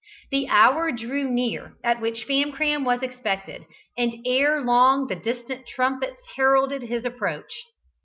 The hour drew near at which Famcram was expected, and ere long the distant trumpets heralded his approach.